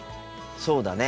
そうだね。